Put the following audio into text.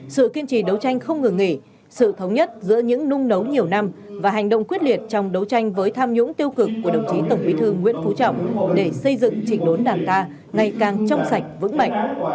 sự kiên trì đấu tranh không ngừng nghỉ sự thống nhất giữa những nung nấu nhiều năm và hành động quyết liệt trong đấu tranh với tham nhũng tiêu cực của đồng chí tổng bí thư nguyễn phú trọng để xây dựng chỉnh đốn đảng ta ngày càng trong sạch vững mạnh